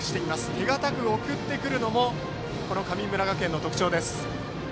手堅く送ってくるのも神村学園の特徴です。